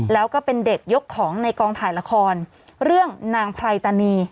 แล้วก็เป็นเด็กยกของในกองถ่ายละครเรื่องนางไพรตานี